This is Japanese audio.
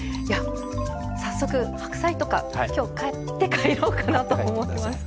早速白菜とか今日買って帰ろうかなと思いました。